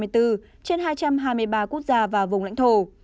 trên hai trăm hai mươi ba quốc gia và vùng lãnh thổ